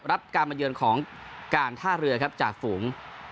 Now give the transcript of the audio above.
รับการมาเยือนของการท่าเรือครับจ่าฝูง